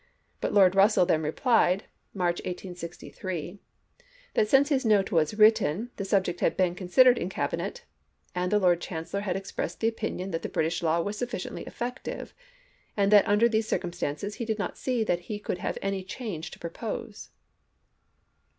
But Lord E ussell then replied (March, 1863) that since his note was written the subject had been considered in Cabinet, and the Lord Chancellor had expressed the opinion that the British law was sufficiently effective, and that under these circumstances he did not see that he could have any change to propose.